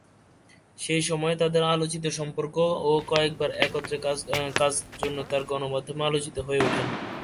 সেই সময়ে তাদের আলোচিত সম্পর্ক ও কয়েকবার একত্রে কাজের জন্য তার গণমাধ্যমে আলোচিত হয়ে ওঠেন।